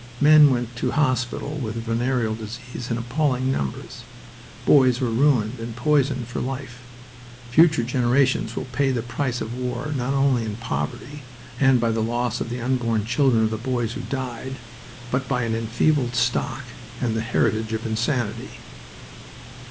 Men went to hospital with venereal disease in appalling numbers. Boys were ruined and poisoned for life. Future generations will pay the price of war not only in poverty and by the loss of the unborn children of the boys who died, but by an enfeebled stock and the heritage of insanity.